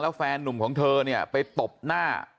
แฟนนุ่มของเธอเนี่ยไปตบหน้า